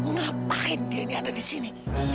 ngapain dia ini ada disini